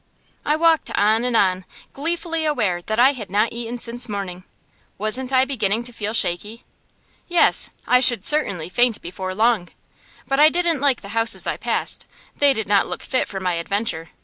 I walked on and on, gleefully aware that I had not eaten since morning. Wasn't I beginning to feel shaky? Yes; I should certainly faint before long. But I didn't like the houses I passed. They did not look fit for my adventure.